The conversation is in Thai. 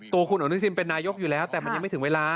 ตัวคุณอนุทินเป็นนายกอยู่แล้วแต่มันยังไม่ถึงเวลา